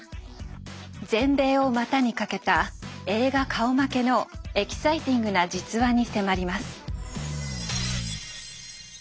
全米を股に掛けた映画顔負けのエキサイティングな実話に迫ります。